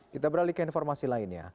kita beralih ke informasi lainnya